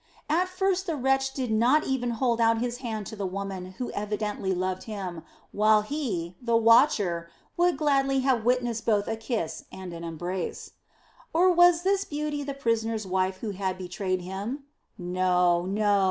At first the wretch did not even hold out his hand to the woman who evidently loved him, while he, the watcher, would gladly have witnessed both a kiss and an embrace. Or was this beauty the prisoner's wife who had betrayed him? No, no!